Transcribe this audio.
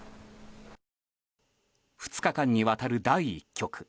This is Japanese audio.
２日間にわたる第１局。